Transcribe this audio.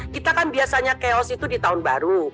kita kan biasanya chaos itu di tahun baru